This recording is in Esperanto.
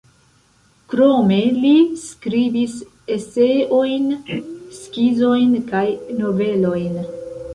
Krome li skribis eseojn, skizojn kaj novelojn.